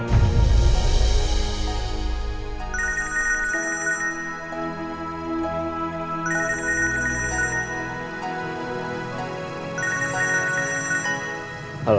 kami udah selesai